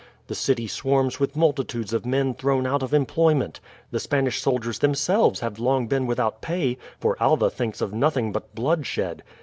The city swarms with multitudes of men thrown out of employment. The Spanish soldiers themselves have long been without pay, for Alva thinks of nothing but bloodshed.